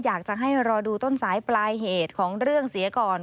อยากจะให้รอดูต้นสายปลายเหตุของเรื่องเสียก่อน